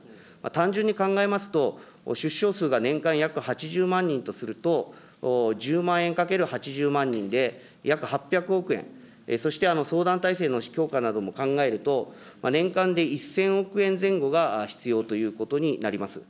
単純に考えますと、出生数が年間約８０万人とすると、１０万円×８０万人で約８００億円、そして相談体制の強化なども考えると、年間で１０００億円前後が必要ということになります。